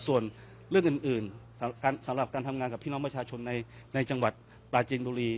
ส่วนเรื่องอื่นสำหรับการทำงานกับพี่น้องประชาชนในจังหวัดปราจีนบุรี